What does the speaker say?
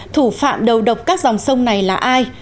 thủ phạm đầu độc các dòng sông này là ai